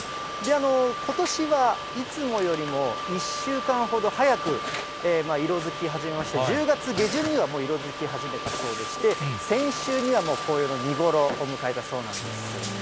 ことしは、いつもよりも１週間ほど早く色づき始めまして、１０月下旬には、もう色づき始めたそうでして、先週にはもう紅葉の見頃を迎えたそうなんです。